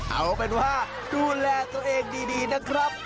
เอาเป็นว่าดูแลตัวเองดีนะครับ